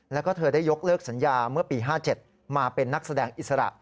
แล้วก็เธอได้ยกเลิกสัญญาเมื่อปี๕๗มาเป็นนักแสดงอิสระ